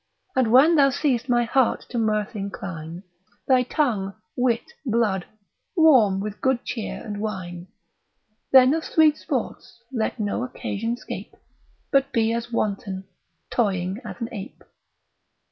And when thou seest my heart to mirth incline, Thy tongue, wit, blood, warm with good cheer and wine: Then of sweet sports let no occasion scape, But be as wanton, toying as an ape.